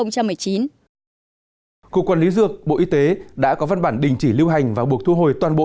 cục quản lý dược bộ y tế đã có văn bản đình chỉ lưu hành và buộc thu hồi toàn bộ